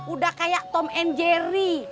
udah kayak tom and jerry